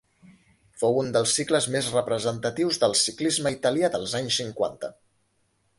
Fou un dels cicles més representatius del ciclisme italià dels anys cinquanta.